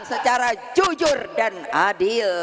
secara jujur dan adil